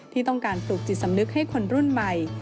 ที่ต้องการปลูกจิตสำนึกให้คนรุ่นใหม่